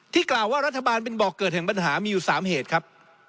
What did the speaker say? กล่าวว่ารัฐบาลเป็นบอกเกิดแห่งปัญหามีอยู่๓เหตุครับ